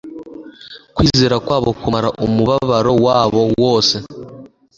kwizera kwabo kumara umubabaro wabo wose.